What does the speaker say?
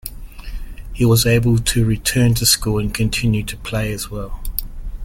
He was able to return to school and continue to play as well.